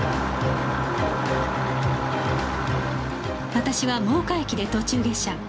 私は真岡駅で途中下車